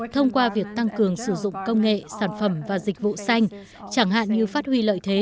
thông qua việc tăng trưởng kinh tế